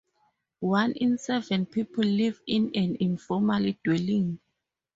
One in seven people live in an informal dwelling.